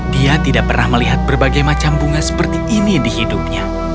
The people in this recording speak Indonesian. dia tidak pernah melihat berbagai macam bunga seperti ini di hidupnya